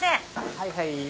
はいはい。